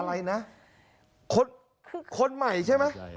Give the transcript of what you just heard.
อะไรนะคนใหม่ใช่ไหม